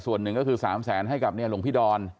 ส่วนหนึ่งก็คือ๓แสนให้กับหลวงพี่ดอน